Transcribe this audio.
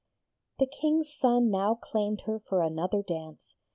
The King's son now claimed her for another dance.